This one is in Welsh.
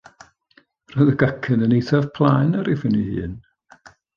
Roedd y gacen yn eithaf plaen ar phen ei hun.